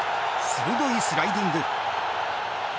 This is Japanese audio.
鋭いスライディング。